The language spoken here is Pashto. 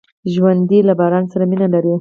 ژوندي له باران سره مینه لري